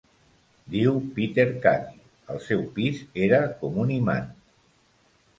Diu Peter Caddy: El seu pis era com un imant.